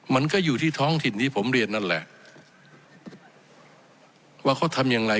มันก็อยู่ที่ท้องถิ่นที่ผมเรียนนั่นแหละว่าเขาทำอย่างไร